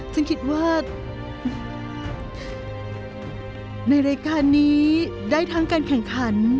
ฉันคิดว่าในรายการนี้ได้ทั้งการแข่งขัน